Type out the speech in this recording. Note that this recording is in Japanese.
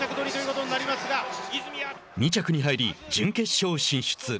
２着に入り準決勝進出。